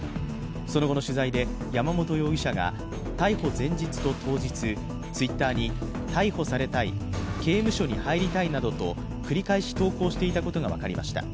その後の取材で山本容疑者が逮捕前日と当日、Ｔｗｉｔｔｅｒに逮捕されたい、刑務所に入りたいなどと繰り返し投稿していたことが分かりました。